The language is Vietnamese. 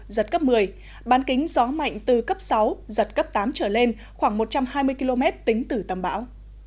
giật cấp một mươi bán kính gió mạnh từ cấp sáu giật cấp tám trở lên khoảng một trăm hai mươi km tính từ tâm bão